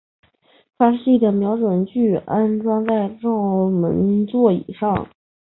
发射器的瞄准具安装在照门座以上。